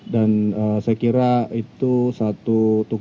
dan saya kira itu satu